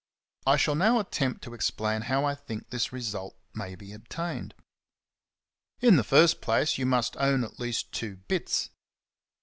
I shall now attempt to explain how I think this result may be obtained. In the first place you must own at least two bits.